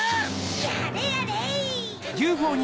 やれやれ！